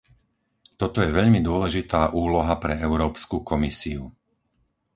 Toto je veľmi dôležitá úloha pre Európsku komisiu.